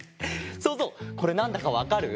そうぞうこれなんだかわかる？